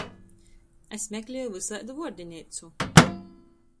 Es mekleju vysaidu vuordineicu.